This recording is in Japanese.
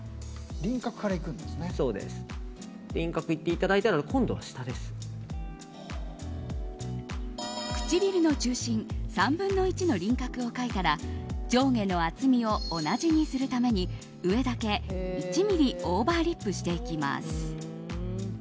輪郭からいっていただいたら唇の中心３分の１の輪郭を描いたら上下の厚みを同じにするために上だけ１ｍｍオーバーリップしていきます。